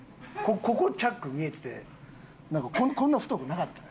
ここチャック見えててなんかこんな太くなかったで。